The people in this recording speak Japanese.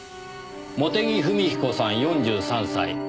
茂手木文彦さん４３歳。